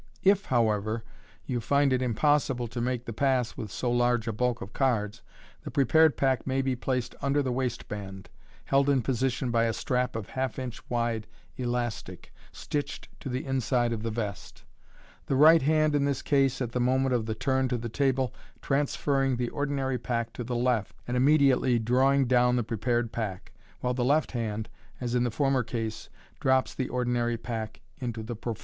If, however, you find it impossible to make the pass with so large a bulk of cards, the prepared pack may be placed under the waistband, held in position by a strap of half inch wide elastic, stitched to the inside of the vest 5 the right hand in this case, at the moment of the turn to the table, transferring the ordinary pack to the left, and immediately drawing down the prepared pack, while the left hand, as in the former case, drops the ordinary pack into the prqfonde.